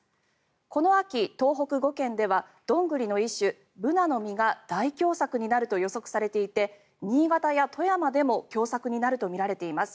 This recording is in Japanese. この秋、東北５県ではドングリの一種、ブナの実が大凶作になると予測されていて新潟や富山でも凶作になるとみられています。